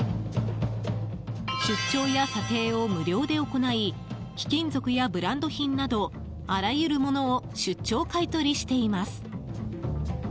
出張や査定を無料で行い貴金属やブランド品などあらゆるものを出張買い取りしています。